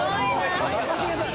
一茂さん